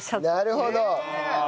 なるほど。